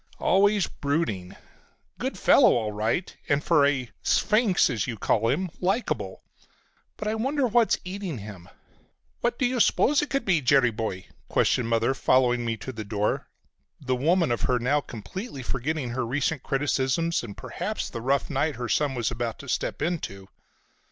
Always brooding. Good fellow all right, and, for a 'sphinx' as you call him, likable. But I wonder what is eating him?" "What do you suppose it could be, Jerry boy?" questioned Mother following me to the door, the woman of her now completely forgetting her recent criticisms and, perhaps, the rough night her son was about to step into.